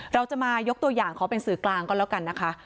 เราจะมายกตัวอย่างขอเป็นสื่อกลางก็แล้วกันนะคะ